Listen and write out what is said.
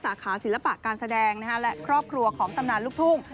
สาขาศิลปะการแสดงและครอบครัวของตำนานลูกทุ่ง